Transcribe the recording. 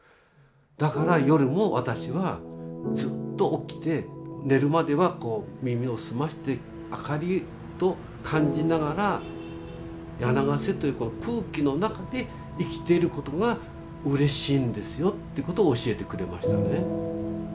「だから夜も私はずっと起きて寝るまでは耳を澄まして明かりを感じながら柳ケ瀬というこの空気の中で生きてることがうれしいんですよ」ってことを教えてくれましたね。